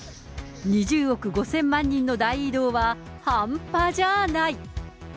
２０億５０００万人の大移動は半端じゃない。